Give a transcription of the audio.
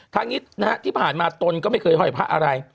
ทางนี้นะฮะที่ผ่านมาตนก็ไม่เคยห้อยพระอะไร